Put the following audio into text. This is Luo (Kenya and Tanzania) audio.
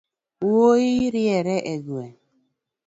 Wuoi riere e gweng’